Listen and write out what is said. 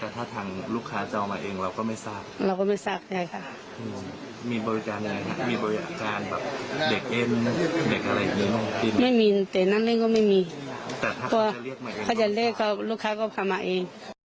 แต่ถ้าเขาจะเรียกมาเองก็ถ้าเขาจะเรียกลูกค้าก็ทำมาเอง